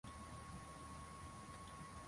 ndiyo kilele cha Nyanda za Juu Kusini